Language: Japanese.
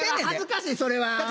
恥ずかしいそれは。